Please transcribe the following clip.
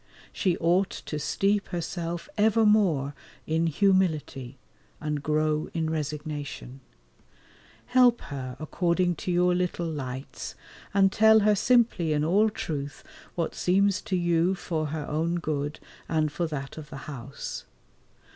She ought to steep herself ever more in humility and grow in resignation: help her according to your little lights, and tell her simply in all truth, what seems to you for her own good and for that of the house.